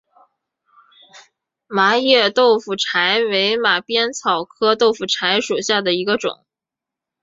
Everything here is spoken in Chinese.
麻叶豆腐柴为马鞭草科豆腐柴属下的一个种。